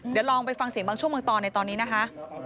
เดี๋ยวลองไปฟังเสียงบางช่วงบางตอนในตอนนี้นะคะ